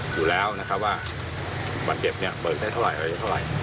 อยู่แล้วว่าบรรเก็บเปิดใช้เท่าไหร่